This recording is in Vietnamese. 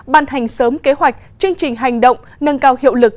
ban hành sớm kế hoạch chương trình hành động nâng cao hiệu lực